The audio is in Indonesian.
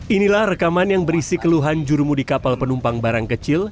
inilah rekaman yang berisi keluhan jurumudi kapal penumpang barang kecil